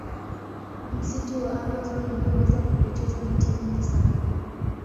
msitu wa amazon unaweza kupoteza miti mingi sana